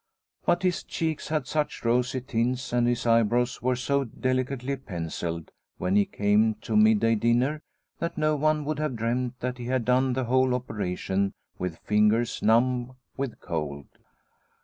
But his cheeks had such rosy tints and his eyebrows were so delicately pencilled when he came to midday dinner that no one would have dreamt that he had done the whole opera tion with fingers numb with cold.